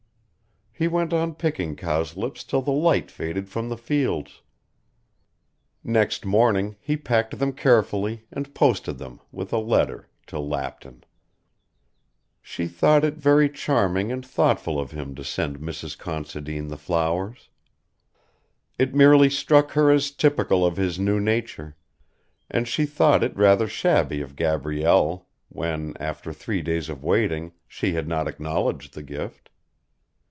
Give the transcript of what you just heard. He went on picking cowslips till the light faded from the fields. Next morning he packed them carefully, and posted them, with a letter, to Lapton. She thought it very charming and thoughtful of him to send Mrs. Considine the flowers. It merely struck her as typical of his new nature, and she thought it rather shabby of Gabrielle, when, after three days of waiting, she had not acknowledged the gift.